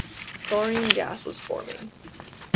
Chlorine gas was forming.